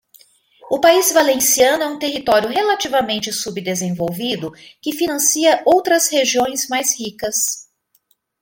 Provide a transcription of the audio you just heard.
O País Valenciano é um território relativamente subdesenvolvido que financia outras regiões mais ricas.